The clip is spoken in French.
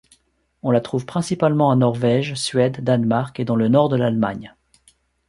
On la trouve principalement en Norvège, Suède, Danemark et dans le Nord de l'Allemagne.